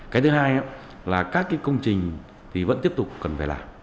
cái thứ hai là các cái công trình thì vẫn tiếp tục cần phải làm